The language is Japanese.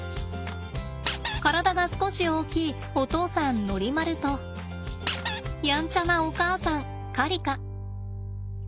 体が少し大きいお父さんノリマルとやんちゃなお母さんカリカ。